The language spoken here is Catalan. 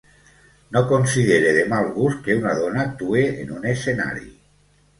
No considere de mal gust que una dona actue en un escenari.